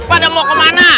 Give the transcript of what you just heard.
pada mau kemana